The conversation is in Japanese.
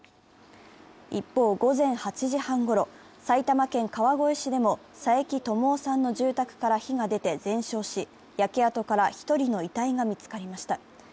一方、午前８時半ごろ、埼玉県川越市でも佐伯朋夫さんの住宅から火が出て全焼し、焼け跡から１人の遺体が見つかりました。